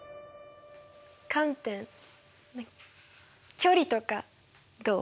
観点距離とかどう？